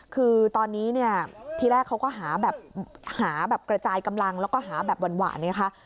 คือตอนนี้เนี่ยที่แรกเขาก็หาแบบหาแบบกระจายกำลังแล้วก็หาแบบหวานไงคะ